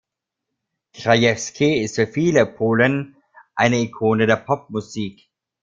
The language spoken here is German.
Krajewski ist für viele Polen eine Ikone der Popmusik.